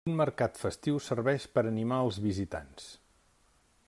Un mercat festiu servix per animar els visitants.